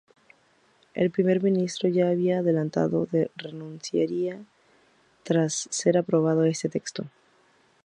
El primer ministro ya había adelantado que renunciaría tras ser aprobado este texto.